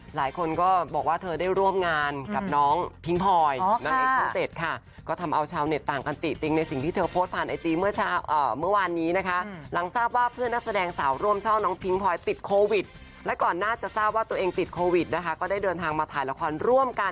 หลังทราบว่าเพื่อนหน้าแสดงสาวร่วมช่องน้องพิงพอยติดและก่อนน่าจะทราบว่าตัวเองติดก็ได้เดินทางมาถ่ายละครร่วมกัน